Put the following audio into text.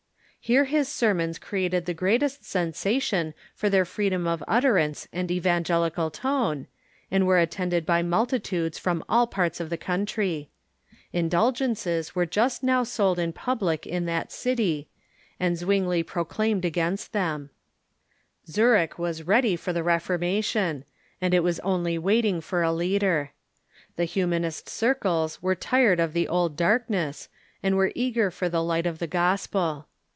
Here his sermons created the greatest sensation for their freedom of utterance and evangeli cal tone, and were attended by multitudes from all parts of the country. Indulgences were just now sold in public in that GERMAN SAVITZERLAND 235 city, and Zvvingli proclaimed against tbem. Zurich was ready for the Reformation, and was only waiting for a leader. The Iliunanist circles were tired of tlie old darkness, and were eager for the light of the gospel.